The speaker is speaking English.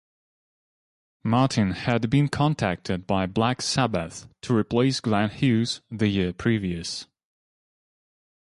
Martin had been contacted by Black Sabbath to replace Glenn Hughes the year previous.